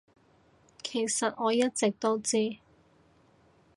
其實我一直都知